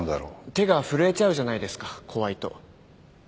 手が震えちゃうじゃないですか怖いと。